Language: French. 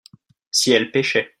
si elles pêchaient.